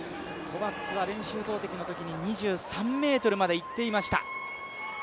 コバクスは練習投てきのときに２３ｍまでいっていました。